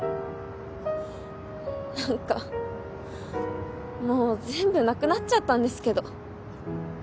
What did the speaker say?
何かもう全部なくなっちゃったんですけど。